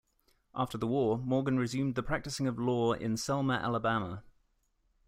After the war, Morgan resumed the practicing of law in Selma, Alabama.